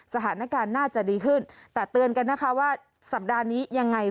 สถานการณ์น่าจะดีขึ้นแต่เตือนกันนะคะว่าสัปดาห์นี้ยังไง